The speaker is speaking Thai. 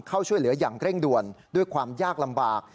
เข้าช่วยเหลืออย่างเร่งด่วนด้วยความยากลำบาก